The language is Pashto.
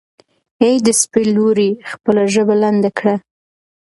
ای د سپي لورې خپله ژبه لنډه کړه.